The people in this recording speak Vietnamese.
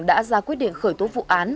đã ra quyết định khởi tố vụ án